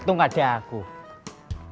itu juga selamat ini